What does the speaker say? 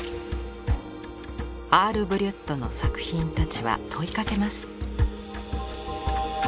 アール・ブリュットの作品たちは問いかけます。